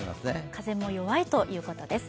風も弱いということです。